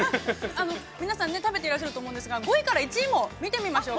◆皆さん、食べていらっしゃると思うんですが、５位から１位も見てみましょう。